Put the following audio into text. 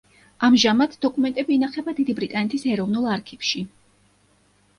ამჟამად, დოკუმენტები ინახება დიდი ბრიტანეთის ეროვნულ არქივში.